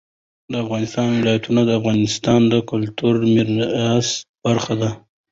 د افغانستان ولايتونه د افغانستان د کلتوري میراث برخه ده.